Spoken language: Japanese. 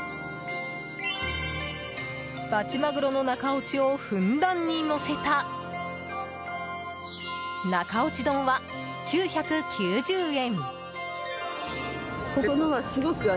バチマグロの中落ちをふんだんにのせた中落ち丼は９９０円。